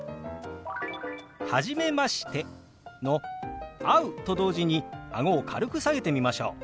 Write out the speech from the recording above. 「初めまして」の「会う」と同時にあごを軽く下げてみましょう。